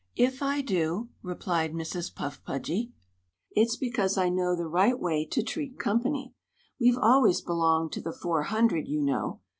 "If I do," replied Mrs. Puffy Pudgy, "it's because I know the right way to treat company. We've always belonged to the 'four hundred,' you know.